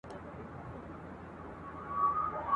ځه چي دواړه د پاچا کورته روان سو !.